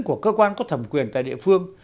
của cơ quan có thẩm quyền tại địa phương